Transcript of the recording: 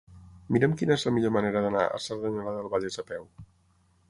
Mira'm quina és la millor manera d'anar a Cerdanyola del Vallès a peu.